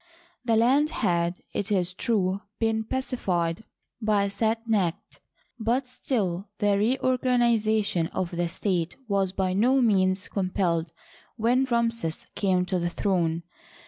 The land had, it is true, been pacified by Set necht, but still the reorganiza tion of the state was by no means completed when Ramses came to the throne.